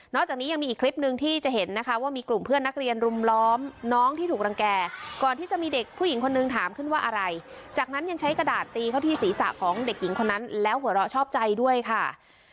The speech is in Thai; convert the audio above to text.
จากนี้ยังมีอีกคลิปนึงที่จะเห็นนะคะว่ามีกลุ่มเพื่อนนักเรียนรุมล้อมน้องที่ถูกรังแก่ก่อนที่จะมีเด็กผู้หญิงคนนึงถามขึ้นว่าอะไรจากนั้นยังใช้กระดาษตีเข้าที่ศีรษะของเด็กหญิงคนนั้นแล้วหัวเราะชอบใจด้วยค่ะ